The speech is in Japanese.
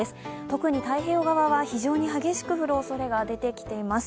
特に太平洋側は非常に激しく降るおそれが出てきています。